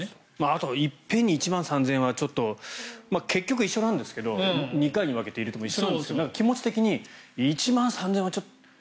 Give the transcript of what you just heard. あと一遍に１万３０００円は結局、一緒なんですけど２回に分けて入れても一緒なんですけど気持ち的に１万３０００円はちょっと。